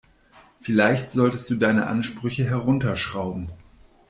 Vielleicht solltest du deine Ansprüche herunterschrauben.